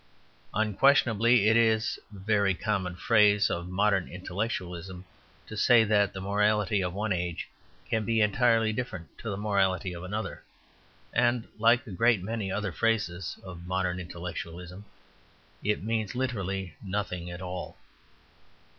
Unquestionably it is a very common phrase of modern intellectualism to say that the morality of one age can be entirely different to the morality of another. And like a great many other phrases of modern intellectualism, it means literally nothing at all.